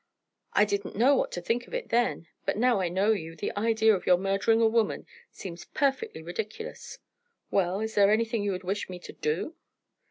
I didn't know what to think of it then, but now I know you, the idea of your murdering a woman seems perfectly ridiculous. Well, is there anything you would wish me to do!"